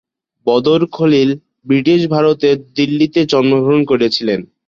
বদর Khalil British ভারতের দিল্লিতে জন্মগ্রহণ করেছিলেন।